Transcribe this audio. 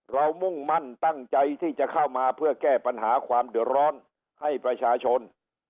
มุ่งมั่นตั้งใจที่จะเข้ามาเพื่อแก้ปัญหาความเดือดร้อนให้ประชาชน